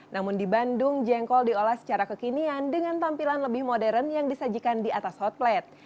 namun di bandung jengkol diolah secara kekinian dengan tampilan lebih modern yang disajikan di atas hot plate